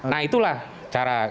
nah itulah cara